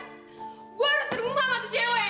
gue harus ke rumah sama tu cewek